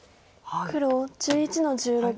黒１１の十六。